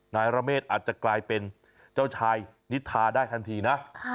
นายระเมฆอาจจะกลายเป็นเจ้าชายนิทาได้ทันทีนะ